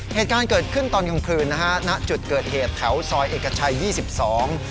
เหตุการณ์เกิดขึ้นตอนกลางคืนนะฮะณจุดเกิดเหตุแถวซอยเอกชัยยี่สิบสอง